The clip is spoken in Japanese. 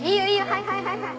はいはいはいはい。